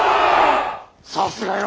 さすがよ！